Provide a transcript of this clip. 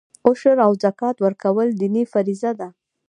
عشر او زکات ورکول دیني فریضه ده.